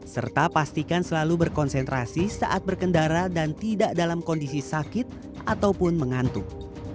serta pastikan selalu berkonsentrasi saat berkendara dan tidak dalam kondisi sakit ataupun mengantuk